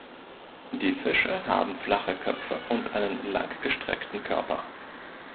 Die Fische haben flache Köpfe und einen langgestreckten Körper.